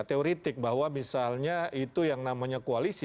teoretik bahwa misalnya itu yang namanya koalisi